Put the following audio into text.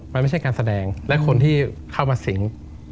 มันไม่ใช่การแสดงและคนที่เข้ามาสิง